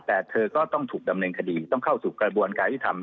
แต่เธอก็ต้องถูกดำเนินคดีต้องเข้าสู่กระบวนการยุทธรรม